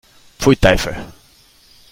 Pfui, Teufel!